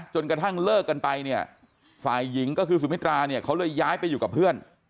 จนกระทั่งเลิกกันไปเนี่ยฝ่ายหญิงก็คือสุมิตราเนี่ยเขาเลยย้ายไปอยู่กับเพื่อน